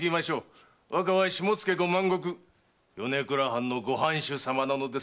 若は下野五万石・米倉藩のご藩主様なのですぞ。